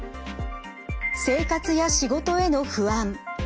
生活や仕事への不安。